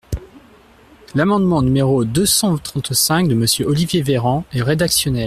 L’amendement numéro deux cent trente-cinq de Monsieur Olivier Véran est rédactionnel.